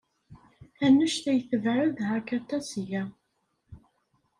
Anect ay tebɛed Hakata seg-a?